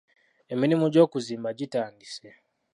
Emirimu gy'okuzimba gitandise.